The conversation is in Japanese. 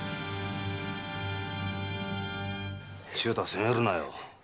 忠太を責めるなよ。